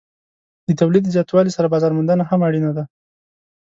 د تولید له زیاتوالي سره بازار موندنه هم اړینه ده.